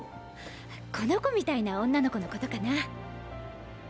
この子みたいな女の子のことかな。